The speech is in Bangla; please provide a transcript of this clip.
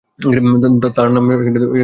তার নাম উইল।